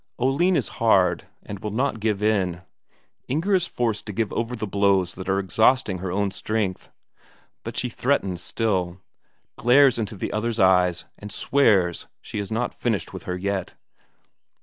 Oline is hard, and will not give in; Inger is forced to give over the blows that are exhausting her own strength. But she threatens still glares into the other's eyes and swears she has not finished with her yet.